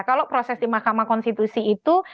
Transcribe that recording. kalau proses di mahkamah konstitusi itu